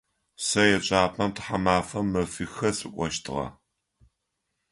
Сэ еджапӏэм тхьамафэм мэфихэ сыкӏощтыгъэ.